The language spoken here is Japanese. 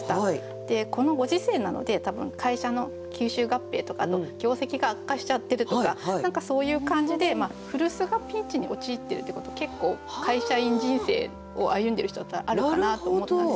でこのご時世なので多分会社の吸収合併とかあと業績が悪化しちゃってるとか何かそういう感じで古巣がピンチに陥ってるってこと結構会社員人生を歩んでる人だったらあるかなと思ったんです。